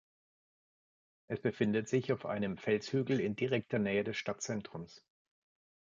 Es befindet sich auf einem Felshügel in direkter Nähe des Stadtzentrums.